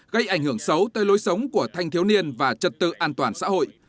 gây ảnh hưởng xấu tới lối sống của thanh thiếu niên và trật tự an toàn xã hội